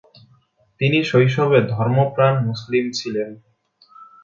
তিনি শৈশবে ধর্মপ্রাণ মুসলিম ছিলেন।